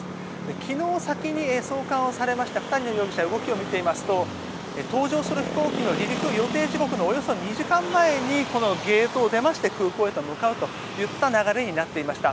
昨日、先に送還されました２人の容疑者動きを見ていますと搭乗する飛行機の離陸予定時刻のおよそ２時間前にこのゲートを出まして空港へ向かうといった流れになっていました。